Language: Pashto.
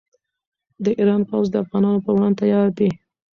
د ایران پوځ د افغانانو پر وړاندې تیار دی.